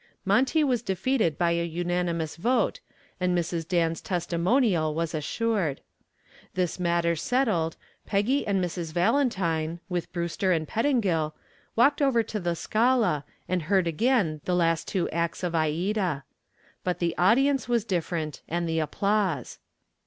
Monty was defeated by a unanimous vote and Mrs. Dan's testimonial was assured. This matter settled, Peggy and Mrs. Valentine, with Brewster and Pettingill, walked over to the Scala and heard again the last two acts of Aida. But the audience was different, and the applause.